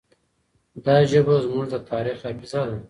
دا ژبه زموږ د تاریخ حافظه ده.